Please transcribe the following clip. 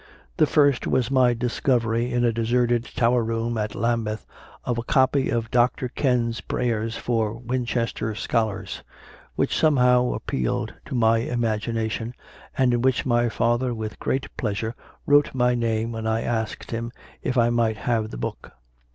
The first was my discovery, in a deserted tower room at Lambeth, of a copy of Dr. Ken s Prayers for Winchester scholars, which somehow appealed to my imagination, and in which my father with great pleasure wrote my name when I asked him if I might have the book.